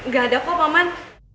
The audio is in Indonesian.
gak ada kok paman